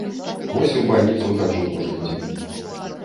Вось у бальніцу хаджу кожны дзень.